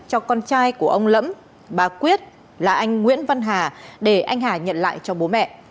cho con trai của ông lẫm bà quyết là anh nguyễn văn hà để anh hà nhận lại cho bố mẹ